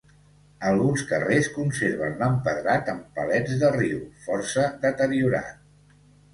Alguns carrers conserven l'empedrat amb palets de riu, força deteriorat.